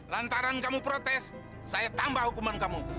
lantaran kamu protes saya tambah hukuman kamu